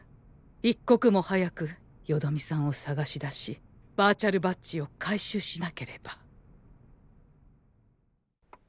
一刻も早くよどみさんをさがしだしバーチャルバッジを回収しなければ。